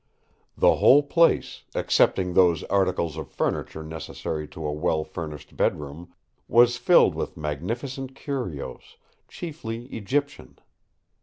The whole place, excepting those articles of furniture necessary to a well furnished bedroom, was filled with magnificent curios, chiefly Egyptian.